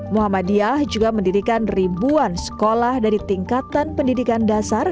muhammadiyah juga mendirikan ribuan sekolah dari tingkatan pendidikan dasar